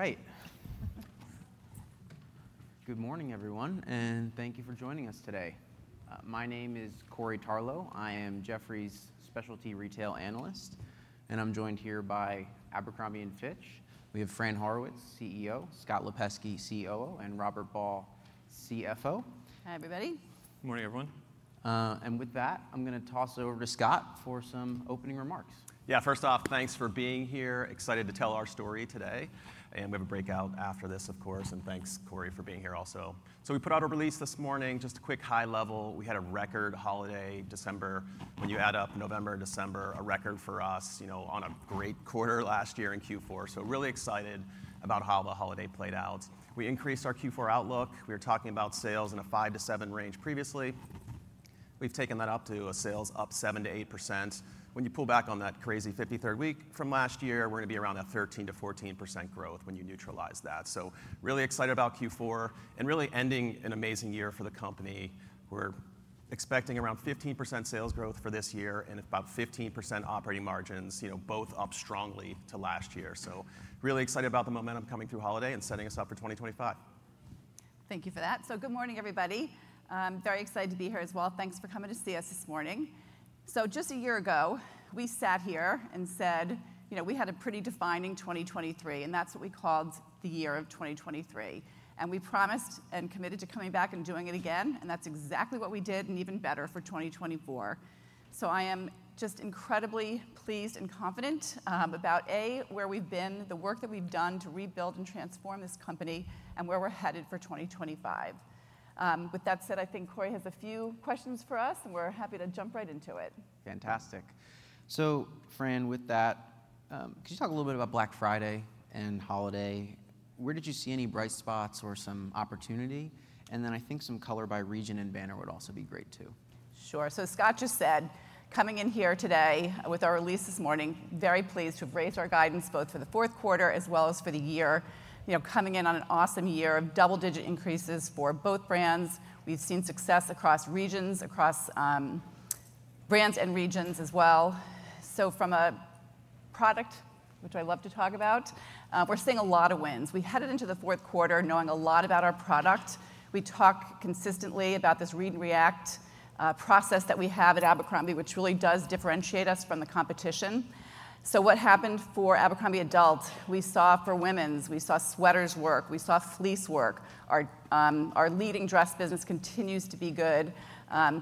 All right. Good morning, everyone, and thank you for joining us today. My name is Corey Tarlow. I am Jefferies' specialty retail analyst, and I'm joined here by Abercrombie & Fitch. We have Fran Horowitz, CEO; Scott Lipesky, COO; and Robert Ball, CFO. Hi, everybody. Good morning, everyone. With that, I'm going to toss it over to Scott for some opening remarks. Yeah, first off, thanks for being here. Excited to tell our story today. And we have a breakout after this, of course. And thanks, Corey, for being here also. So we put out a release this morning, just a quick high level. We had a record holiday December. When you add up November and December, a record for us on a great quarter last year in Q4. So really excited about how the holiday played out. We increased our Q4 outlook. We were talking about sales in a 5%-7% range previously. We've taken that up to a sales up 7%-8%. When you pull back on that crazy 53rd week from last year, we're going to be around that 13%-14% growth when you neutralize that. So really excited about Q4 and really ending an amazing year for the company. We're expecting around 15% sales growth for this year and about 15% operating margins, both up strongly to last year, so really excited about the momentum coming through holiday and setting us up for 2025. Thank you for that. Good morning, everybody. Very excited to be here as well. Thanks for coming to see us this morning. Just a year ago, we sat here and said we had a pretty defining 2023, and that's what we called the year of 2023. We promised and committed to coming back and doing it again, and that's exactly what we did and even better for 2024. I am just incredibly pleased and confident about, A, where we've been, the work that we've done to rebuild and transform this company, and where we're headed for 2025. With that said, I think Corey has a few questions for us, and we're happy to jump right into it. Fantastic. So, Fran, with that, could you talk a little bit about Black Friday and holiday? Where did you see any bright spots or some opportunity? And then I think some color by region and banner would also be great too. Sure. So Scott just said, coming in here today with our release this morning, very pleased to have raised our guidance both for the fourth quarter as well as for the year. Coming in on an awesome year of double-digit increases for both brands. We've seen success across regions, across brands and regions as well. So from a product, which I love to talk about, we're seeing a lot of wins. We headed into the fourth quarter knowing a lot about our product. We talk consistently about this read and react process that we have at Abercrombie, which really does differentiate us from the competition. So what happened for Abercrombie Adult? We saw for women's, we saw sweaters work, we saw fleece work. Our leading dress business continues to be good.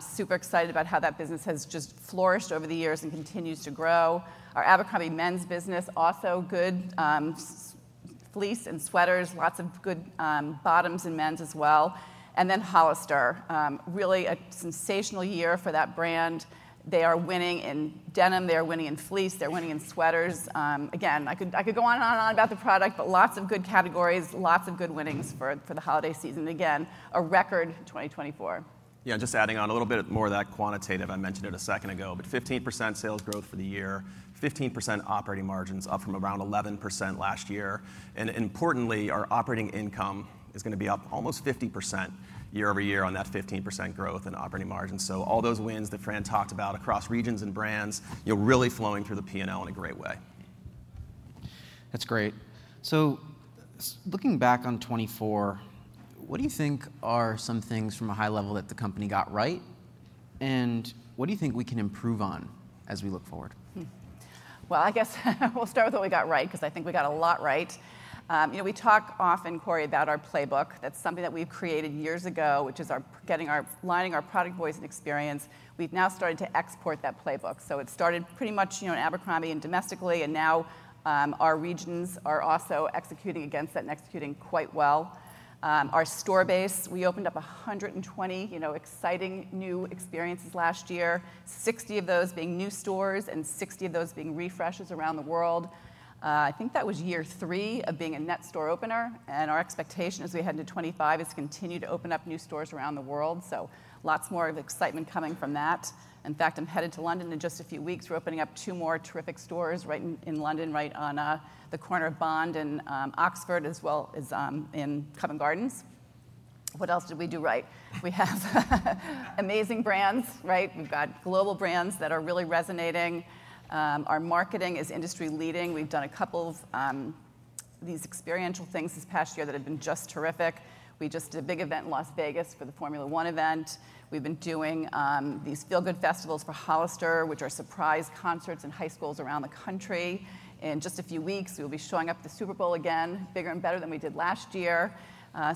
Super excited about how that business has just flourished over the years and continues to grow. Our Abercrombie men's business, also good fleece and sweaters, lots of good bottoms in men's as well, and then Hollister, really a sensational year for that brand. They are winning in denim, they are winning in fleece, they're winning in sweaters. Again, I could go on and on and on about the product, but lots of good categories, lots of good winnings for the holiday season. Again, a record 2024. Yeah, just adding on a little bit more of that quantitative. I mentioned it a second ago, but 15% sales growth for the year, 15% operating margins up from around 11% last year, and importantly, our operating income is going to be up almost 50% year over year on that 15% growth in operating margins, so all those wins that Fran talked about across regions and brands really flowing through the P&L in a great way. That's great. So looking back on 2024, what do you think are some things from a high level that the company got right? And what do you think we can improve on as we look forward? I guess we'll start with what we got right, because I think we got a lot right. We talk often, Corey, about our playbook. That's something that we've created years ago, which is aligning our product voice and experience. We've now started to export that playbook. So it started pretty much in Abercrombie and domestically, and now our regions are also executing against that and executing quite well. Our store base, we opened up 120 exciting new experiences last year, 60 of those being new stores and 60 of those being refreshes around the world. I think that was year three of being a net store opener, and our expectation as we head into 2025 is to continue to open up new stores around the world. Lots more of excitement coming from that. In fact, I'm headed to London in just a few weeks. We're opening up two more terrific stores right in London, right on the corner of Bond Street and Oxford Street, as well as in Covent Garden. What else did we do right? We have amazing brands. We've got global brands that are really resonating. Our marketing is industry leading. We've done a couple of these experiential things this past year that have been just terrific. We just did a big event in Las Vegas for the Formula One event. We've been doing these feel-good festivals for Hollister, which are surprise concerts in high schools around the country. In just a few weeks, we'll be showing up at the Super Bowl again, bigger and better than we did last year.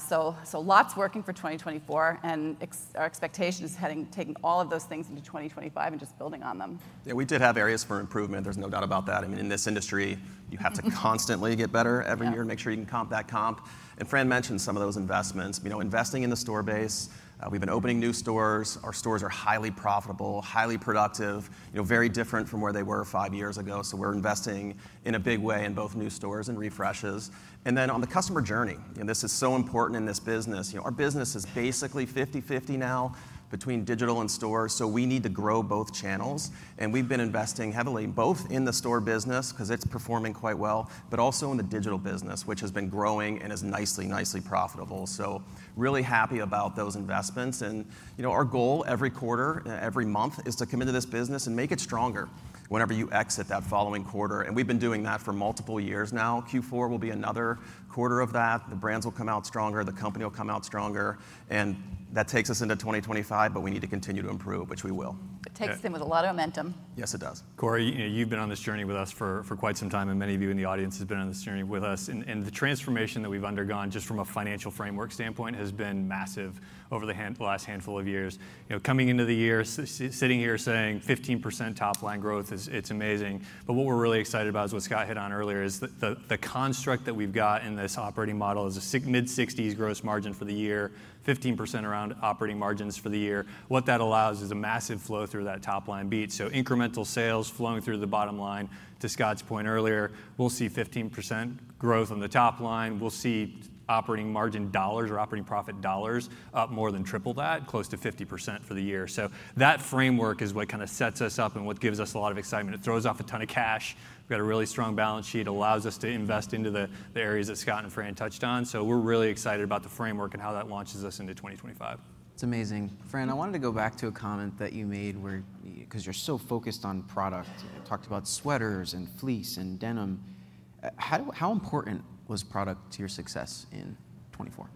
So lots working for 2024, and our expectation is taking all of those things into 2025 and just building on them. Yeah, we did have areas for improvement. There's no doubt about that. I mean, in this industry, you have to constantly get better every year and make sure you can comp that comp. And Fran mentioned some of those investments. Investing in the store base, we've been opening new stores. Our stores are highly profitable, highly productive, very different from where they were five years ago. So we're investing in a big way in both new stores and refreshes. And then on the customer journey, this is so important in this business. Our business is basically 50/50 now between digital and stores, so we need to grow both channels. And we've been investing heavily both in the store business, because it's performing quite well, but also in the digital business, which has been growing and is nicely, nicely profitable. So really happy about those investments. And our goal every quarter and every month is to come into this business and make it stronger whenever you exit that following quarter. And we've been doing that for multiple years now. Q4 will be another quarter of that. The brands will come out stronger, the company will come out stronger. And that takes us into 2025, but we need to continue to improve, which we will. It takes them with a lot of momentum. Yes, it does. Corey, you've been on this journey with us for quite some time, and many of you in the audience have been on this journey with us, and the transformation that we've undergone just from a financial framework standpoint has been massive over the last handful of years. Coming into the year, sitting here saying 15% top line growth, it's amazing. But what we're really excited about is what Scott hit on earlier, is the construct that we've got in this operating model is a mid-60s gross margin for the year, 15% around operating margins for the year. What that allows is a massive flow through that top line beat, so incremental sales flowing through the bottom line. To Scott's point earlier, we'll see 15% growth on the top line. We'll see operating margin dollars or operating profit dollars up more than triple that, close to 50% for the year. So that framework is what kind of sets us up and what gives us a lot of excitement. It throws off a ton of cash. We've got a really strong balance sheet. It allows us to invest into the areas that Scott and Fran touched on. So we're really excited about the framework and how that launches us into 2025. It's amazing. Fran, I wanted to go back to a comment that you made because you're so focused on product. You talked about sweaters and fleece and denim. How important was product to your success in 2024?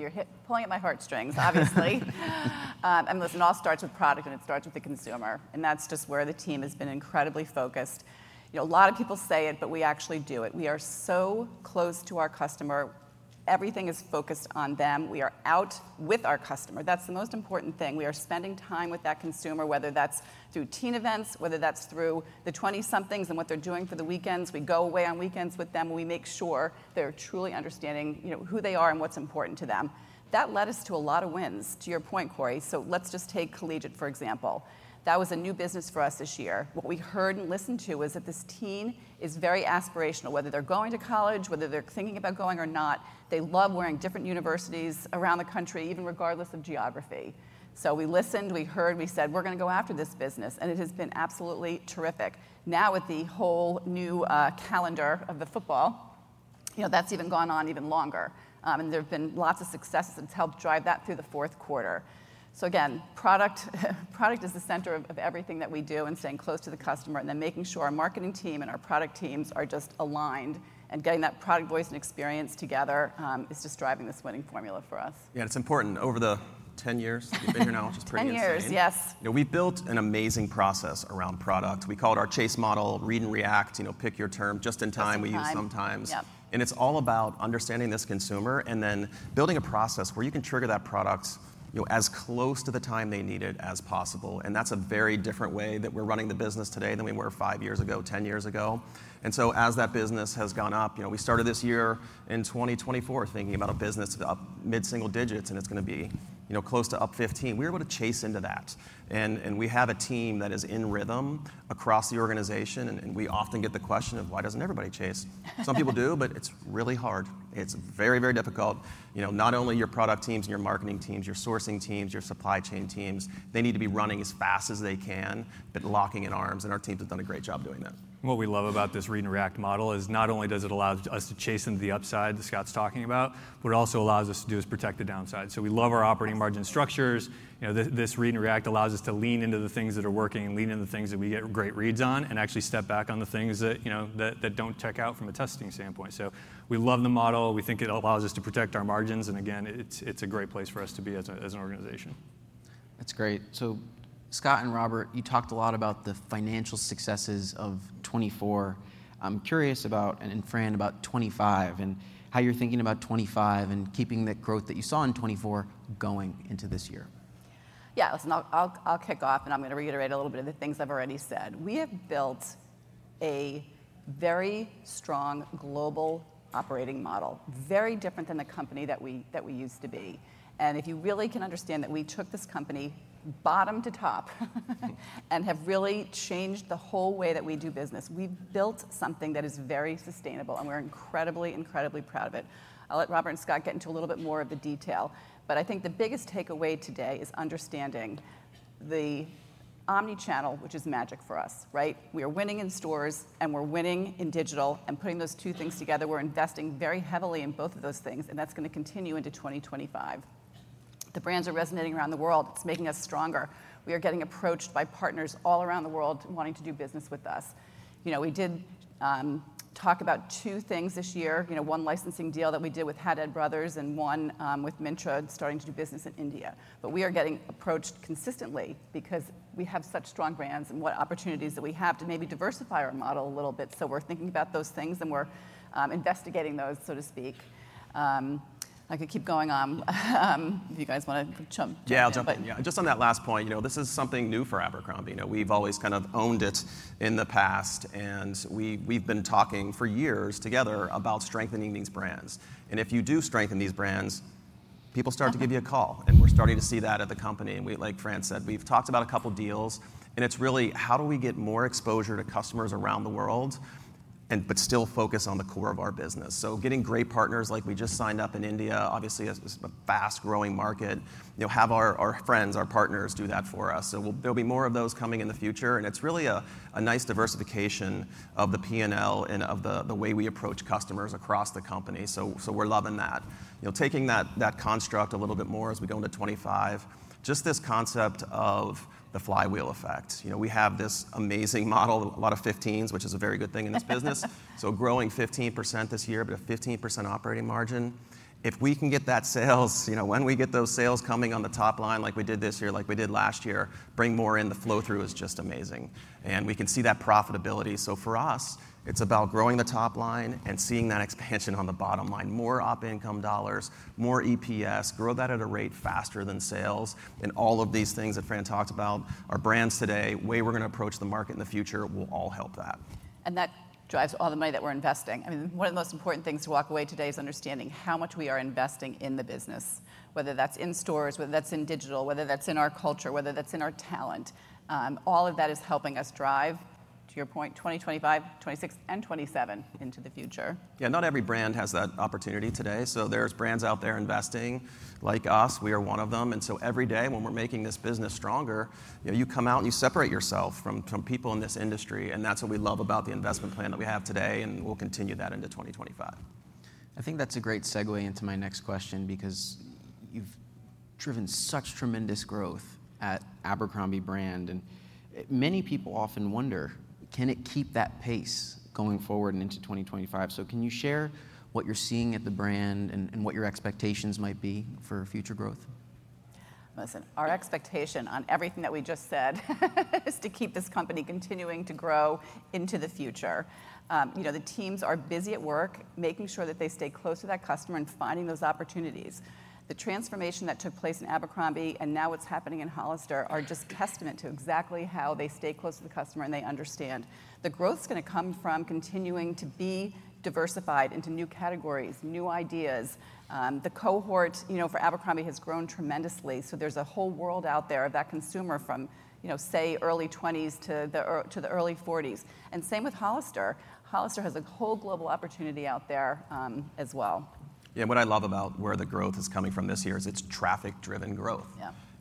You're pulling at my heartstrings, obviously. And listen, it all starts with product and it starts with the consumer. And that's just where the team has been incredibly focused. A lot of people say it, but we actually do it. We are so close to our customer. Everything is focused on them. We are out with our customer. That's the most important thing. We are spending time with that consumer, whether that's through teen events, whether that's through the 20-somethings and what they're doing for the weekends. We go away on weekends with them. We make sure they're truly understanding who they are and what's important to them. That led us to a lot of wins. To your point, Corey, so let's just take collegiate, for example. That was a new business for us this year. What we heard and listened to is that this teen is very aspirational, whether they're going to college, whether they're thinking about going or not. They love wearing different universities around the country, even regardless of geography. So we listened, we heard, we said, we're going to go after this business. And it has been absolutely terrific. Now, with the whole new calendar of the football, that's even gone on even longer. And there have been lots of successes that's helped drive that through the fourth quarter. So again, product is the center of everything that we do and staying close to the customer and then making sure our marketing team and our product teams are just aligned and getting that product voice and experience together is just driving this winning formula for us. Yeah, and it's important over the 10 years, the bigger now, which is pretty insane here. 10 years, yes. We've built an amazing process around product. We called our Chase model, read and react, pick your term, just in time we use sometimes. And it's all about understanding this consumer and then building a process where you can trigger that product as close to the time they need it as possible. And that's a very different way that we're running the business today than we were five years ago, 10 years ago. And so as that business has gone up, we started this year in 2024 thinking about a business up mid-single digits and it's going to be close to up 15. We were able to chase into that. And we have a team that is in rhythm across the organization. And we often get the question of, why doesn't everybody chase? Some people do, but it's really hard. It's very, very difficult. Not only your product teams and your marketing teams, your sourcing teams, your supply chain teams, they need to be running as fast as they can but locking arms. And our team has done a great job doing that. What we love about this read and react model is not only does it allow us to chase into the upside that Scott's talking about, but it also allows us to do is protect the downside. So we love our operating margin structures. This read and react allows us to lean into the things that are working and lean into the things that we get great reads on and actually step back on the things that don't check out from a testing standpoint. So we love the model. We think it allows us to protect our margins. And again, it's a great place for us to be as an organization. That's great, so Scott and Robert, you talked a lot about the financial successes of 2024. I'm curious about, and Fran, about 2025 and how you're thinking about 2025 and keeping that growth that you saw in 2024 going into this year. Yeah, listen, I'll kick off and I'm going to reiterate a little bit of the things I've already said. We have built a very strong global operating model, very different than the company that we used to be, and if you really can understand that we took this company bottom to top and have really changed the whole way that we do business, we've built something that is very sustainable and we're incredibly, incredibly proud of it. I'll let Robert and Scott get into a little bit more of the detail, but I think the biggest takeaway today is understanding the omnichannel, which is magic for us. We are winning in stores and we're winning in digital and putting those two things together. We're investing very heavily in both of those things, and that's going to continue into 2025. The brands are resonating around the world. It's making us stronger. We are getting approached by partners all around the world wanting to do business with us. We did talk about two things this year, one licensing deal that we did with Haddad Brands and one with Myntra starting to do business in India. But we are getting approached consistently because we have such strong brands and what opportunities that we have to maybe diversify our model a little bit. So we're thinking about those things and we're investigating those, so to speak. I could keep going on if you guys want to jump in. Yeah, I'll jump in. Just on that last point, this is something new for Abercrombie. We've always kind of owned it in the past. And we've been talking for years together about strengthening these brands. And if you do strengthen these brands, people start to give you a call. And we're starting to see that at the company. And like Fran said, we've talked about a couple of deals. And it's really how do we get more exposure to customers around the world, but still focus on the core of our business. So getting great partners like we just signed up in India, obviously a fast-growing market, have our friends, our partners do that for us. So there'll be more of those coming in the future. And it's really a nice diversification of the P&L and of the way we approach customers across the company. So we're loving that. Taking that construct a little bit more as we go into 2025, just this concept of the flywheel effect. We have this amazing model, a lot of 15s, which is a very good thing in this business, so growing 15% this year, but a 15% operating margin. If we can get that sales, when we get those sales coming on the top line like we did this year, like we did last year, bring more in, the flow through is just amazing, and we can see that profitability, so for us, it's about growing the top line and seeing that expansion on the bottom line, more op income dollars, more EPS, grow that at a rate faster than sales, and all of these things that Fran talked about, our brands today, the way we're going to approach the market in the future will all help that. And that drives all the money that we're investing. I mean, one of the most important things to walk away today is understanding how much we are investing in the business, whether that's in stores, whether that's in digital, whether that's in our culture, whether that's in our talent. All of that is helping us drive, to your point, 2025, 2026, and 2027 into the future. Yeah, not every brand has that opportunity today. So there's brands out there investing like us. We are one of them. And so every day when we're making this business stronger, you come out and you separate yourself from people in this industry. And that's what we love about the investment plan that we have today. And we'll continue that into 2025. I think that's a great segue into my next question because you've driven such tremendous growth at Abercrombie & Fitch Brand, and many people often wonder, can it keep that pace going forward and into 2025, so can you share what you're seeing at the brand and what your expectations might be for future growth? Listen, our expectation on everything that we just said is to keep this company continuing to grow into the future. The teams are busy at work, making sure that they stay close to that customer and finding those opportunities. The transformation that took place in Abercrombie & Fitch and now what's happening in Hollister are just a testament to exactly how they stay close to the customer and they understand. The growth is going to come from continuing to be diversified into new categories, new ideas. The cohort for Abercrombie has grown tremendously, so there's a whole world out there of that consumer from, say, early 20s to the early 40s, and same with Hollister. Hollister has a whole global opportunity out there as well. Yeah, and what I love about where the growth is coming from this year is it's traffic-driven growth.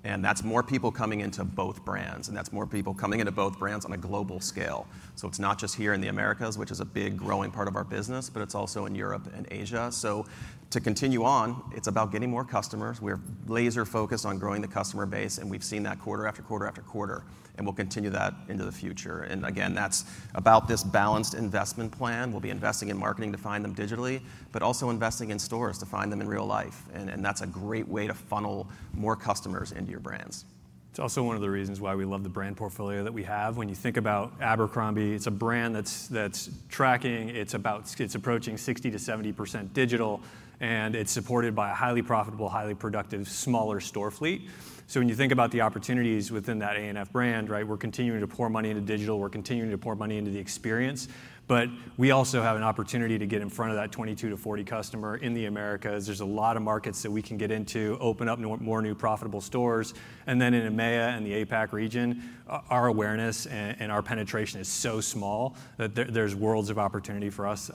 And that's more people coming into both brands. And that's more people coming into both brands on a global scale. So it's not just here in the Americas, which is a big growing part of our business, but it's also in Europe and Asia. So to continue on, it's about getting more customers. We're laser-focused on growing the customer base. And we've seen that quarter after quarter after quarter. And we'll continue that into the future. And again, that's about this balanced investment plan. We'll be investing in marketing to find them digitally, but also investing in stores to find them in real life. And that's a great way to funnel more customers into your brands. It's also one of the reasons why we love the brand portfolio that we have. When you think about Abercrombie, it's a brand that's tracking. It's approaching 60%-70% digital, and it's supported by a highly profitable, highly productive smaller store fleet. So when you think about the opportunities within that A&F brand, we're continuing to pour money into digital. We're continuing to pour money into the experience, but we also have an opportunity to get in front of that 22-40 customer in the Americas. There's a lot of markets that we can get into, open up more new profitable stores, and then in EMEA and the APAC region, our awareness and our penetration is so small that there's worlds of opportunity for us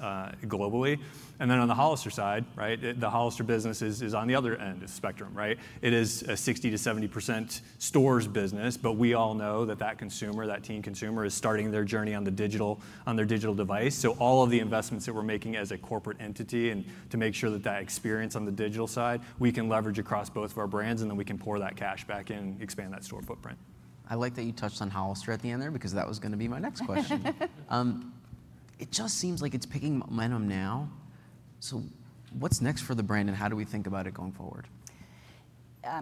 globally, and then on the Hollister side, the Hollister business is on the other end of the spectrum. It is a 60%-70% stores business, but we all know that that consumer, that teen consumer, is starting their journey on their digital device, so all of the investments that we're making as a corporate entity and to make sure that that experience on the digital side, we can leverage across both of our brands, and then we can pour that cash back in and expand that store footprint. I like that you touched on Hollister at the end there because that was going to be my next question. It just seems like it's picking momentum now. So what's next for the brand and how do we think about it going forward?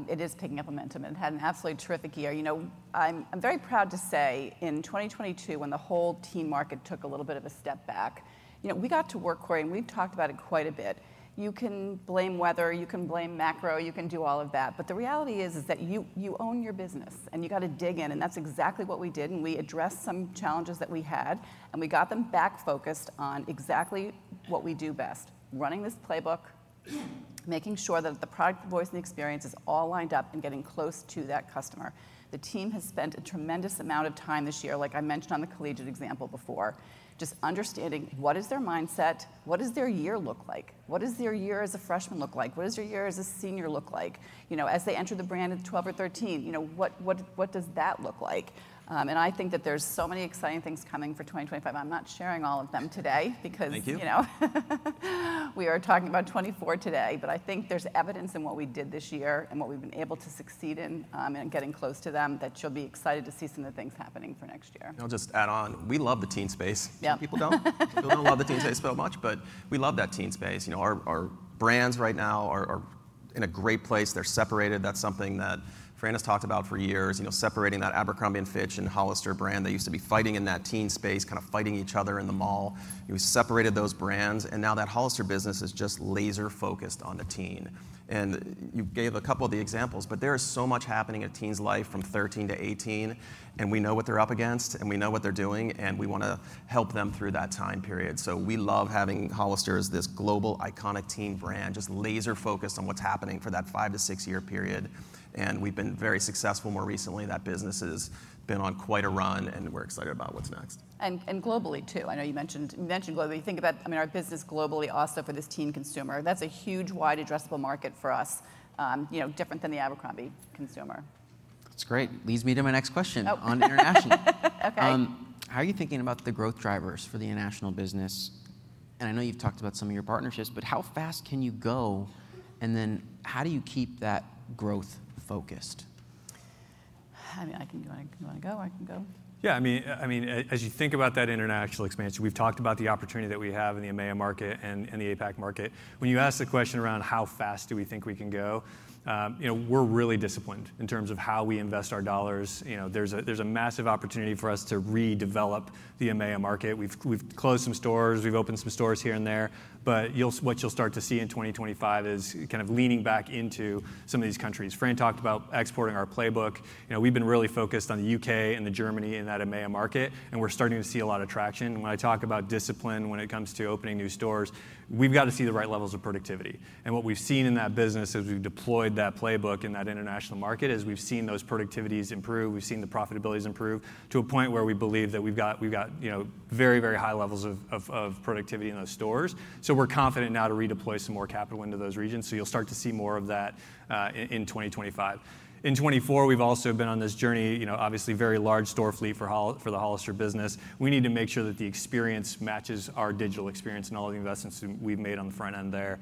It is picking up momentum. It had an absolutely terrific year. I'm very proud to say in 2022, when the whole teen market took a little bit of a step back, we got to work, Corey, and we've talked about it quite a bit. You can blame weather, you can blame macro, you can do all of that. But the reality is that you own your business and you got to dig in. And that's exactly what we did. And we addressed some challenges that we had. And we got them back focused on exactly what we do best, running this playbook, making sure that the product voice and experience is all lined up and getting close to that customer. The team has spent a tremendous amount of time this year, like I mentioned on the collegiate example before, just understanding what is their mindset, what does their year look like, what does their year as a freshman look like, what does their year as a senior look like as they enter the brand at 12 or 13, what does that look like, and I think that there's so many exciting things coming for 2025. I'm not sharing all of them today because we are talking about 2024 today, but I think there's evidence in what we did this year and what we've been able to succeed in and getting close to them that you'll be excited to see some of the things happening for next year. I'll just add on. We love the teen space. People don't love the teen space so much, but we love that teen space. Our brands right now are in a great place. They're separated. That's something that Fran has talked about for years, separating that Abercrombie & Fitch and Hollister brand that used to be fighting in that teen space, kind of fighting each other in the mall. We separated those brands, and now that Hollister business is just laser-focused on the teen, and you gave a couple of the examples, but there is so much happening in a teen's life from 13 to 18. And we know what they're up against and we know what they're doing, and we want to help them through that time period, so we love having Hollister as this global iconic teen brand, just laser-focused on what's happening for that five to six-year period. We've been very successful more recently. That business has been on quite a run and we're excited about what's next. And globally too. I know you mentioned globally. You think about, I mean, our business globally also for this teen consumer. That's a huge, wide, addressable market for us, different than the Abercrombie consumer. That's great. Leads me to my next question on international. How are you thinking about the growth drivers for the international business? And I know you've talked about some of your partnerships, but how fast can you go? And then how do you keep that growth focused? I mean, I can go. I can go. I can go. Yeah, I mean, as you think about that international expansion, we've talked about the opportunity that we have in the EMEA market and the APAC market. When you ask the question around how fast do we think we can go, we're really disciplined in terms of how we invest our dollars. There's a massive opportunity for us to redevelop the EMEA market. We've closed some stores. We've opened some stores here and there. But what you'll start to see in 2025 is kind of leaning back into some of these countries. Fran talked about exporting our playbook. We've been really focused on the U.K. and Germany in that EMEA market. And we're starting to see a lot of traction. And when I talk about discipline when it comes to opening new stores, we've got to see the right levels of productivity. What we've seen in that business as we've deployed that playbook in that international market is we've seen those productivities improve. We've seen the profitabilities improve to a point where we believe that we've got very, very high levels of productivity in those stores. We're confident now to redeploy some more capital into those regions. You'll start to see more of that in 2025. In 2024, we've also been on this journey, obviously very large store fleet for the Hollister business. We need to make sure that the experience matches our digital experience and all the investments we've made on the front end there.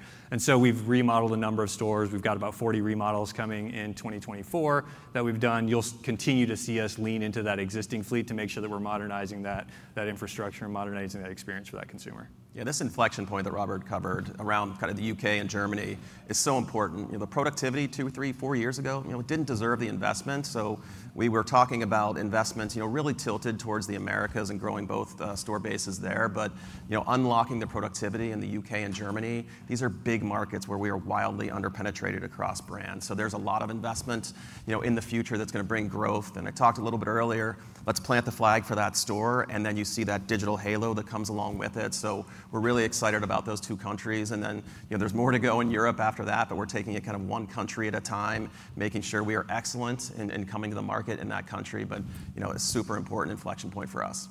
We've remodeled a number of stores. We've got about 40 remodels coming in 2024 that we've done. You'll continue to see us lean into that existing fleet to make sure that we're modernizing that infrastructure and modernizing that experience for that consumer. Yeah, this inflection point that Robert covered around kind of the U.K. and Germany is so important. The productivity two, three, four years ago didn't deserve the investment. So we were talking about investments really tilted towards the Americas and growing both store bases there. But unlocking the productivity in the U.K. and Germany, these are big markets where we are wildly underpenetrated across brands. So there's a lot of investment in the future that's going to bring growth, and I talked a little bit earlier. Let's plant the flag for that store, and then you see that digital halo that comes along with it. So we're really excited about those two countries. And then there's more to go in Europe after that, but we're taking it kind of one country at a time, making sure we are excellent and coming to the market in that country. But it's a super important inflection point for us.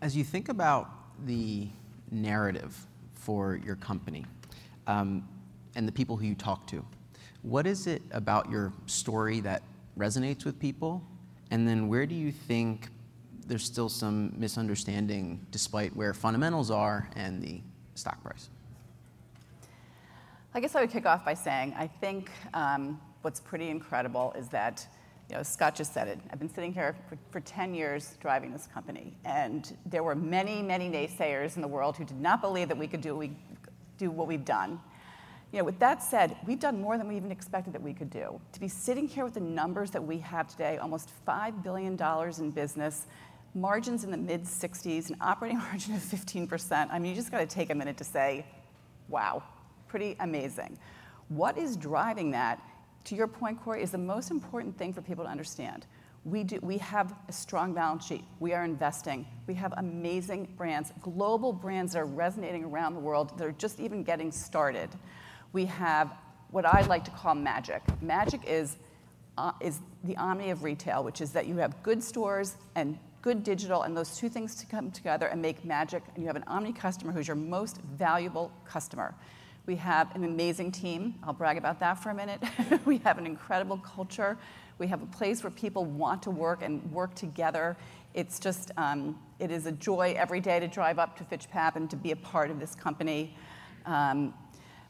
As you think about the narrative for your company and the people who you talk to, what is it about your story that resonates with people? And then where do you think there's still some misunderstanding despite where fundamentals are and the stock price? I guess I would kick off by saying I think what's pretty incredible is that Scott just said it. I've been sitting here for 10 years driving this company. And there were many, many naysayers in the world who did not believe that we could do what we've done. With that said, we've done more than we even expected that we could do. To be sitting here with the numbers that we have today, almost $5 billion in business, margins in the mid-60s, an operating margin of 15%, I mean, you just got to take a minute to say, wow, pretty amazing. What is driving that? To your point, Cory, is the most important thing for people to understand. We have a strong balance sheet. We are investing. We have amazing brands, global brands that are resonating around the world. They're just even getting started. We have what I like to call magic. Magic is the omni of retail, which is that you have good stores and good digital and those two things to come together and make magic. And you have an omni customer who's your most valuable customer. We have an amazing team. I'll brag about that for a minute. We have an incredible culture. We have a place where people want to work and work together. It's just, it is a joy every day to drive up to Fitch Path and to be a part of this company.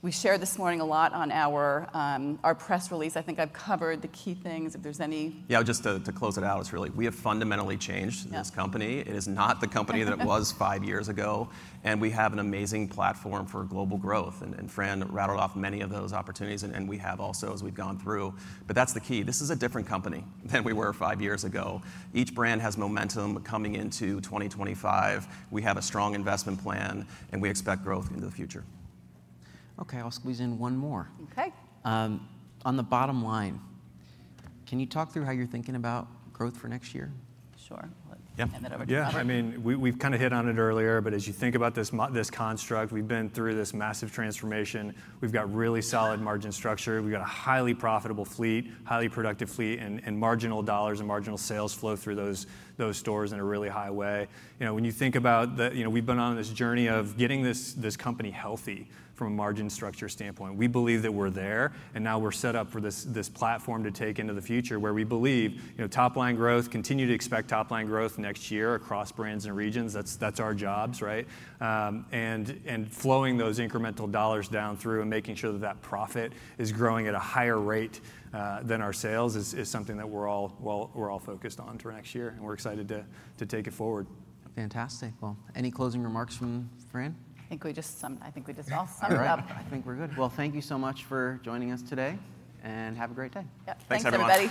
We shared this morning a lot on our press release. I think I've covered the key things. If there's any. Yeah, just to close it out, it's really we have fundamentally changed this company. It is not the company that it was five years ago, and we have an amazing platform for global growth, and Fran rattled off many of those opportunities, and we have also as we've gone through, but that's the key. This is a different company than we were five years ago. Each brand has momentum coming into 2025. We have a strong investment plan, and we expect growth into the future. Okay, I'll squeeze in one more. Okay. On the bottom line, can you talk through how you're thinking about growth for next year? Sure. I'll hand that over to Robert. Yeah, I mean, we've kind of hit on it earlier. But as you think about this construct, we've been through this massive transformation. We've got really solid margin structure. We've got a highly profitable fleet, highly productive fleet, and marginal dollars and marginal sales flow through those stores in a really high way. When you think about that, we've been on this journey of getting this company healthy from a margin structure standpoint. We believe that we're there. And now we're set up for this platform to take into the future where we believe top-line growth, continue to expect top-line growth next year across brands and regions. That's our jobs, right? And flowing those incremental dollars down through and making sure that that profit is growing at a higher rate than our sales is something that we're all focused on for next year. And we're excited to take it forward. Fantastic. Any closing remarks from Fran? I think we just summed it up. I think we just summed it up. I think we're good. Well, thank you so much for joining us today. And have a great day. Yeah, thanks everyone.